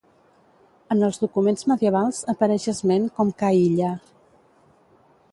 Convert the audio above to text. En els documents medievals apareix esment com Ca Illa.